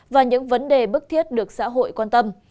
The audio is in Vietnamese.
và những vấn đề bức thiết được xã hội quan tâm